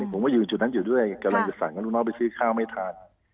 ผมก็ยืนจุดนั้นอยู่ด้วยกำลังจะสั่งกับลูกน้องไปซื้อข้าวไม่ทัน